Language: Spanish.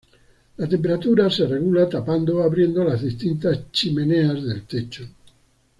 La temperatura se regula tapando o abriendo las distintas "chimeneas" del techo.